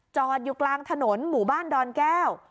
จอดอยู่กลางถนนหมู่บ้านดอนแก้ว